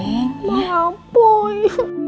apa yang terjadi